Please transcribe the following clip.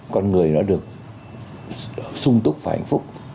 con người nó được sung túc và hạnh phúc